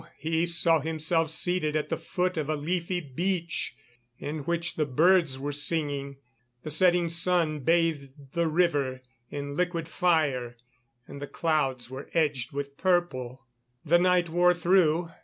he saw himself seated at the foot of a leafy beech, in which the birds were singing; the setting sun bathed the river in liquid fire and the clouds were edged with purple. The night wore through.